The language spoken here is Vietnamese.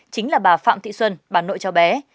chính là bà phạm thị xuân bà nội cho bé